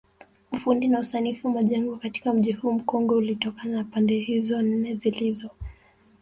Ufundi na usanifu majengo katika mji huu mkongwe ulitokana na pande hizo nne zilizo